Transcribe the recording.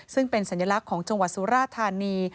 ซึ่งเป็นสัญลักษณ์ของจังหวัดสุราธานี